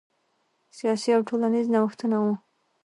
سیاسي او ټولنیز نوښتونه وو.